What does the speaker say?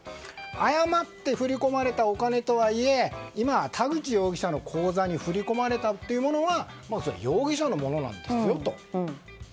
誤って振り込まれたお金とはいえ今、田口容疑者の口座に振り込まれたものは容疑者のものなんですよと。